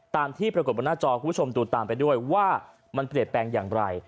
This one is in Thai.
ตามที่ปรากฏบนหน้าจอคุณผู้ชมดูตามไปด้วยว่ามันเปลี่ยนแปลงอย่างไร